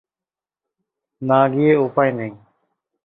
না গিয়ে উপায় নেই।